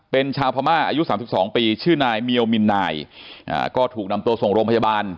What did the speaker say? เป็นชาวพม่าอายุสามสิบสองปีชื่อนายเมียวมินนายก็ถูกนำตัวส่งโรงพยาบาล